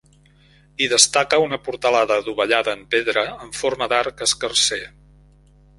Hi destaca una portalada adovellada en pedra, en forma d'arc escarser.